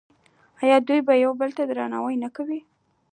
آیا دوی یو بل ته درناوی نه کوي؟